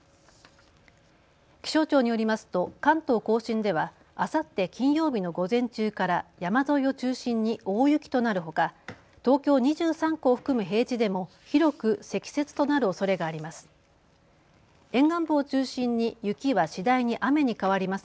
気象庁によりますと関東甲信ではあさって金曜日の午前中から山沿いを中心に大雪となるほか、東京２３区を含む平地でも広く積雪となるおそれがあります。